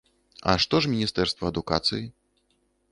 А што ж міністэрства адукацыі?